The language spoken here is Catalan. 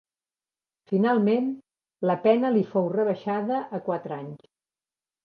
Finalment la pena li fou rebaixada a quatre anys.